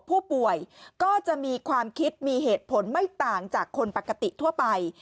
ผู้ป่วยก็จะมีความคิดมีเหตุผลไม่ต่างจากคนปกติทั่วไป